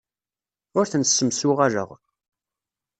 Ur ten-ssemsuɣaleɣ.